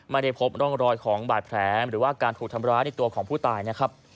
ไม่ได้พบร่องรอยของบาดแผลหรือว่าการถูกทำร้ายในตัวของผู้ตายนะครับ